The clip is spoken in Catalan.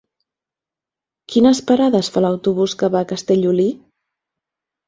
Quines parades fa l'autobús que va a Castellolí?